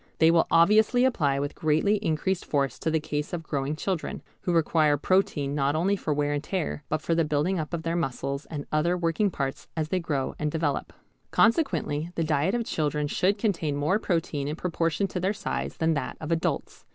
They will obviously apply with greatly increased force to the case of growing children, who require protein not only for wear and tear, but for the building up of their muscles and other working parts as they grow and develope. Consequently the diet of children should contain more protein in proportion to their size than that of adults.